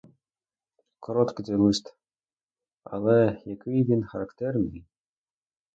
Короткий той лист, але який він характерний!